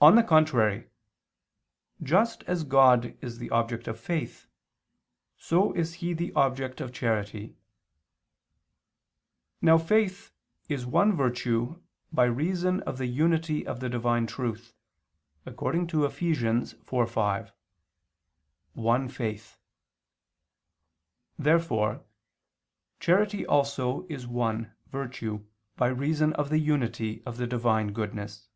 On the contrary, Just as God is the object of faith, so is He the object of charity. Now faith is one virtue by reason of the unity of the Divine truth, according to Eph. 4:5: "One faith." Therefore charity also is one virtue by reason of the unity of the Divine goodness.